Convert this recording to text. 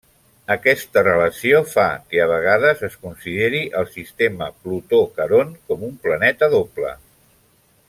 Aquesta relació fa que a vegades es consideri el sistema Plutó-Caront com un planeta doble.